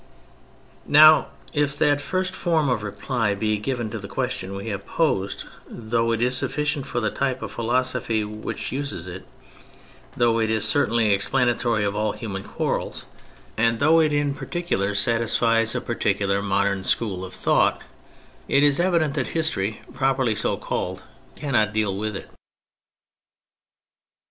Now, if that first form of reply be given to the question we have posed, though it is sufficient for the type of philosophy which uses it, though it is certainly explanatory of all human quarrels, and though it in parti THE CATHOLIC CHURCH 221 cular satisfies a particular modern school of thought, it is evident that history, properly so called, cannot deal with it.